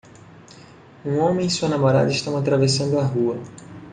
Um homem e sua namorada estão atravessando a rua.